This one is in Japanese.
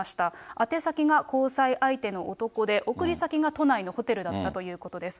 宛先が交際相手の男で、送り先が都内のホテルだったということです。